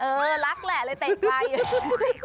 เออรักแหละเลยเตะไกล